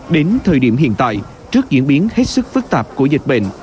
đến thời điểm hiện tại trước diễn biến hết sức phức tạp của dịch bệnh